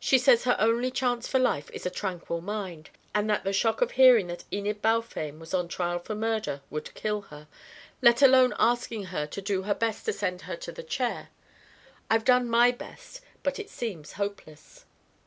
She says her only chance for life is a tranquil mind, and that the shock of hearing that Enid Balfame was on trial for murder would kill her let alone asking her to do her best to send her to the chair. I've done my best, but it seems hopeless."